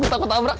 gue takut tabrak